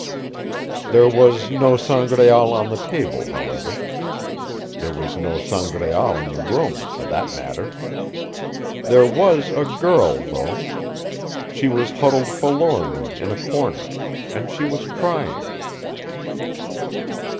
There was no Sangraal on the table, however. There was no Sangraal in the room, for that matter. There was a girl, though. She was huddled forlornly in a corner, and she was crying.